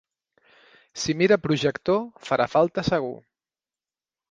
Si mira projector farà falta segur.